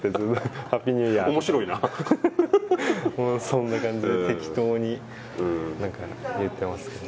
そんな感じで適当に何か言ってますね